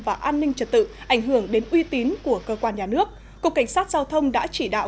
và an ninh trật tự ảnh hưởng đến uy tín của cơ quan nhà nước cục cảnh sát giao thông đã chỉ đạo